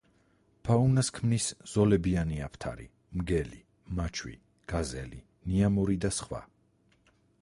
ფაუნას ქმნის: ზოლებიანი აფთარი, მგელი, მაჩვი, გაზელი, ნიამორი და სხვა.